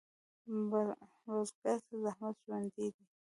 بزګر ته زحمت ژوند دی